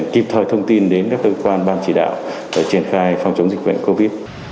kịp thời thông tin đến các cơ quan ban chỉ đạo để triển khai phòng chống dịch bệnh covid